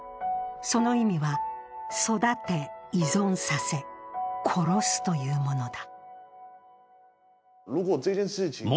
その意味は、育て、依存させ、殺すというものだ。